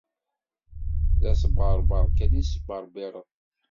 D asbeṛbeṛ kan i tesbeṛbiṛeḍ.